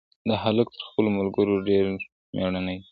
دا هلک تر خپلو ملګرو ډېر مېړنی دی.